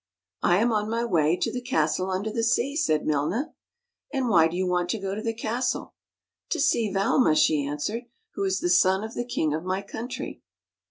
" I am on my way to the castle under the sea,'" said Milna. " And why do you want to go to the castle? "" To see Valma," she answered, " who is the son of the king of my country."